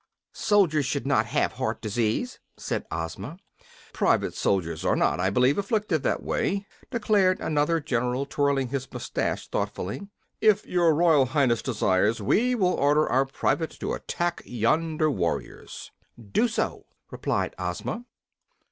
"Soldiers should not have heart disease," said Ozma. "Private soldiers are not, I believe, afflicted that way," declared another general, twirling his moustache thoughtfully. "If your Royal Highness desires, we will order our private to attack yonder warriors." "Do so," replied Ozma.